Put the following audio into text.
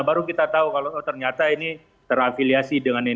baru kita tahu kalau ternyata ini terafiliasi dengan ini